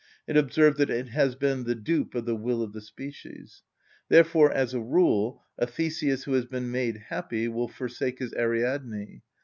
It observes that it has been the dupe of the will of the species. Therefore, as a rule, a Theseus who has been made happy will forsake his Ariadne.